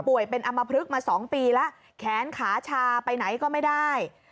เป็นอำมพลึกมา๒ปีแล้วแขนขาชาไปไหนก็ไม่ได้